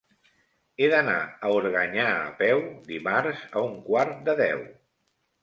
He d'anar a Organyà a peu dimarts a un quart de deu.